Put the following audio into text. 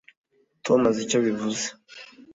tom azi icyo bivuze